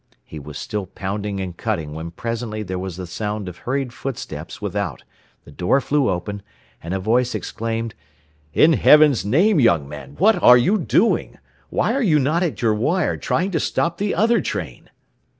He was still pounding and cutting when presently there was the sound of hurried footsteps without, the door flew open, and a voice exclaimed: "In Heaven's name, young man, what are you doing? Why are you not at your wire, trying to stop the other train?"